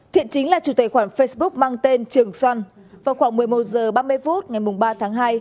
thiện chính là chủ tài khoản facebook mang tên trường xuân vào khoảng một mươi một h ba mươi phút ngày ba tháng hai